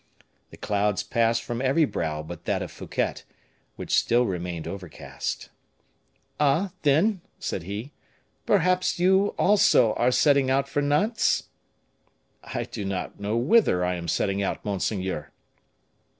The clouds passed from every brow but that of Fouquet, which still remained overcast. "Ah! then," said he, "perhaps you also are setting out for Nantes?" "I do not know whither I am setting out, monseigneur."